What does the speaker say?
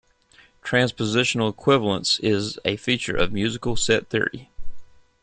Transpositional equivalence is a feature of musical set theory.